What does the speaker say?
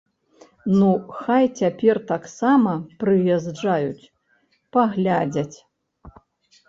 Ну хай цяпер таксама прыязджаюць, паглядзяць.